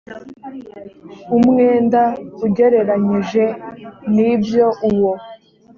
umwenda ugereranyije n ibyo uwo